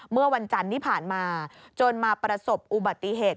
เมื่อวันจันทร์ที่ผ่านมาจนมาประสบอุบัติเหตุ